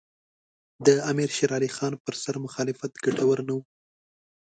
د امیر شېر علي خان پر سر مخالفت ګټور نه وو.